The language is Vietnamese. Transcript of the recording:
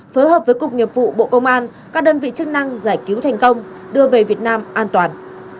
phối hợp với cục nghiệp vụ bộ công an các đơn vị chức năng giải cứu thành công đưa về việt nam an toàn